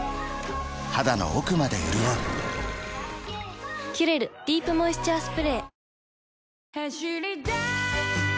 肌の奥まで潤う「キュレルディープモイスチャースプレー」